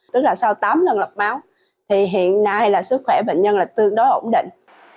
tức là sau tám lần lọc máu thì hiện nay là sức khỏe bệnh nhân là tương đối ổn định